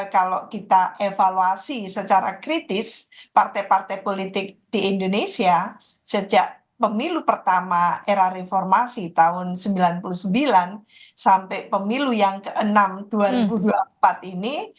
kalau kita evaluasi secara kritis partai partai politik di indonesia sejak pemilu pertama era reformasi tahun seribu sembilan ratus sembilan puluh sembilan sampai pemilu yang ke enam dua ribu dua puluh empat ini